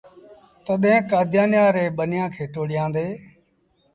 تڏهيݩ ڪآديآنيآن ريٚݩ ٻنيآݩ کي ٽوڙيآندي۔